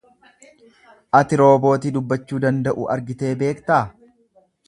Ati roobootii dubbachuu danda'u argitee beektaa?